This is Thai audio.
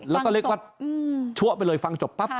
แล้วก็เรียกว่าชัวไปเลยฟังจบปั๊บ